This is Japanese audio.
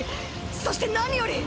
そして何より！！